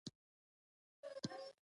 او سوځنده لمر له پاسه.